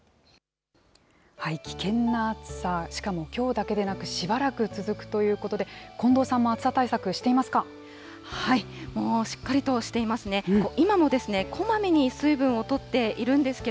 危険な暑さ、しかもきょうだけでなく、しばらく続くということで、近藤さんも暑さ対策、していますか。